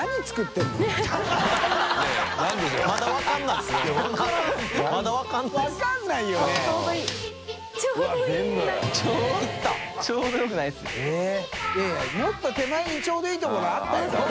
い笋いもっと手前にちょうどいいところあったよ。